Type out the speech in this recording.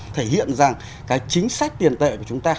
thể hiện rằng cái chính sách tiền tệ của chúng ta